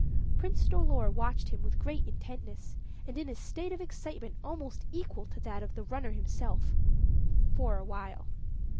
Prince Dolor watched him with great intentness, and in a state of excitement almost equal to that of the runner himself for a while.